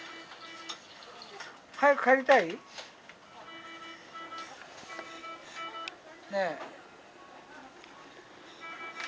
早く帰りたい？ねえ。